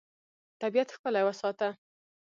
طبیعت ښکلی وساته.